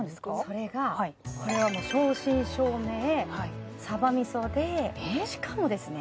それがこれはもう正真正銘サバ味噌でしかもですね